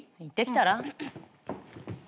行ってきたら？